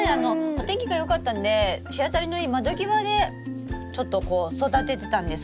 お天気が良かったんで日当たりのいい窓際でちょっとこう育ててたんです